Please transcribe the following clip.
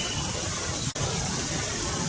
kota yang terkenal dengan